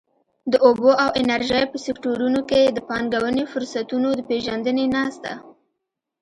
د اوبو او انرژۍ په سکټورونو کې د پانګونې فرصتونو د پېژندنې ناسته.